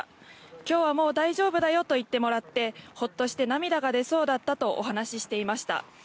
今日はもう大丈夫だよと言ってもらってほっとして涙が出そうだったとお話していました。